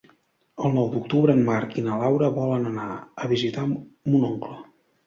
El nou d'octubre en Marc i na Laura volen anar a visitar mon oncle.